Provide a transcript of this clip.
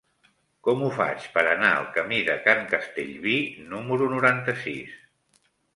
Com ho faig per anar al camí de Can Castellví número noranta-sis?